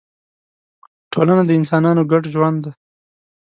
ټولنه د انسانانو ګډ ژوند دی.